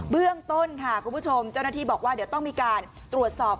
เรื่องต้นค่ะคุณผู้ชมเจ้าหน้าที่บอกว่าเดี๋ยวต้องมีการตรวจสอบ